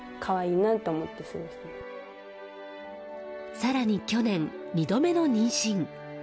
更に去年、２度目の妊娠。